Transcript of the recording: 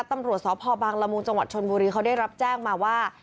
ตำรวจสพบังละมุงจังหวัดชนบุรีเขาได้รับแจ้งมาว่า